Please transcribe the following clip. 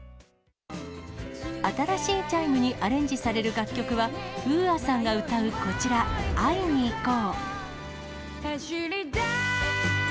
新しいチャイムにアレンジされる楽曲は、ＵＡさんが歌うこちら、会いにいこう。